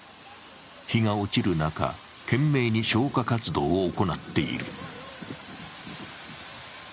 日が落ちる中、懸命に消火活動を行っている。